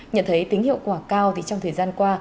nhận thấy tính hiệu quả cao thì trong thời gian qua